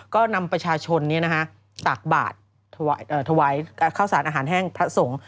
ก็นำประชาชนตากบาทถวายข้าวสารอาหารแห้งพระสงฆ์